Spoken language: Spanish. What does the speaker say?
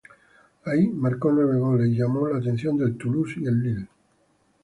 Ahí marcó nueve goles y llamó la atención del Toulouse y el Lille.